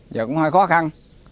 giờ cũng hơi khó khăn